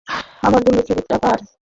আবার বলল, ছবিটা কার?